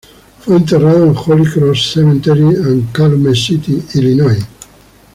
Fue enterrado en el Holy Cross Cemetery en Calumet City, Illinois.